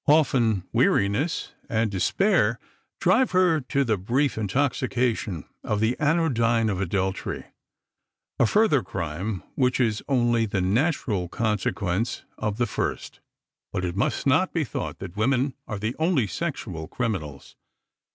Often weariness and despair drive her to the brief intoxication of the anodyne of adultery, a further crime which is only the natural consequence of the first. But it must not be thought that women are the only sexual criminals.